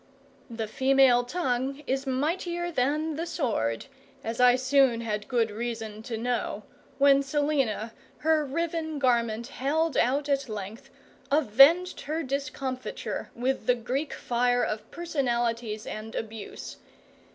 The female tongue is mightier than the sword, as I soon had good reason to know, when Selina, her riven garment held out at length, avenged her discomfiture with the Greek fire of personalities and abuse.